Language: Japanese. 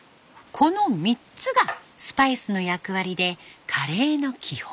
この３つがスパイスの役割でカレーの基本。